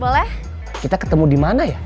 boleh kita ketemu dimana ya